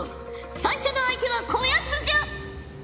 最初の相手はこやつじゃ！